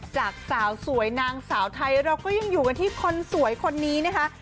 จากสาวสวยนางสาวไทยเราก็ยังอยู่กันที่คนสวยคนนี้นะคะ